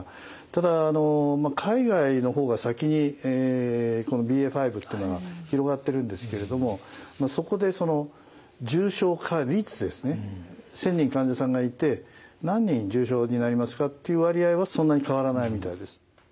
ただ海外の方が先にこのＢＡ．５っていうのが広がってるんですけれどもそこでその重症化率ですね１，０００人患者さんがいて何人重症になりますかっていう割合はそんなに変わらないみたいです。